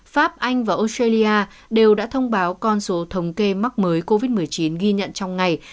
pháp anh và australia đều đã thông báo con số thống kê mắc mới covid một mươi chín ghi nhận trong ngày